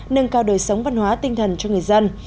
nâng cao đời sống văn hóa tinh thần cho người dân